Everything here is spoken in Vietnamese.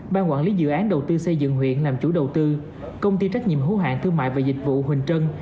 ban quản lý dự án đầu tư xây dựng huyện làm chủ đầu tư công ty trách nhiệm hữu hạng thương mại và dịch vụ huỳnh trân